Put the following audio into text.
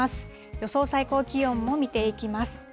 予想最高気温も見ていきます。